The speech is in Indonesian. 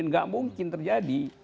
enggak mungkin terjadi